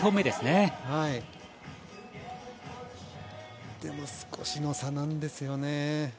でも少しの差なんです。